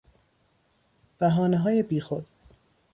بهانههای بیخود